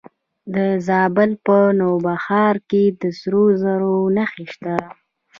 د زابل په نوبهار کې د سرو زرو نښې شته.